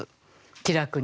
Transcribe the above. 気楽に。